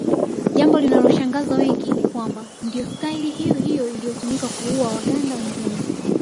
Jambo linaloshangaza wengi ni kwamba ndiyo staili hiyohiyo iliyotumika kuua Waganda wengine